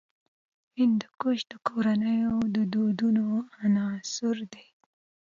هندوکش د کورنیو د دودونو عنصر دی.